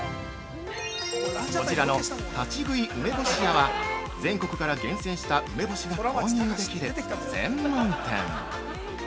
こちらの「立ち喰い梅干し屋」は全国から厳選した梅干しが購入できる専門店。